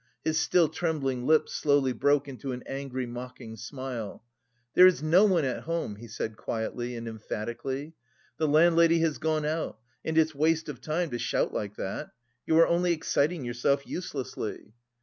His still trembling lips slowly broke into an angry mocking smile. "There is no one at home," he said quietly and emphatically. "The landlady has gone out, and it's waste of time to shout like that. You are only exciting yourself uselessly."